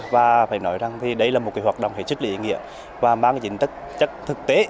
và phải nói rằng đây là một hoạt động hệ trích lý nghĩa và mang những tất chất thực tế